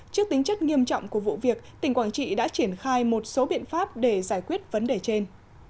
trước tính chất nghiêm trọng của vụ việc tỉnh quảng trị đã triển khai một số biện pháp để giải quyết vấn đề trên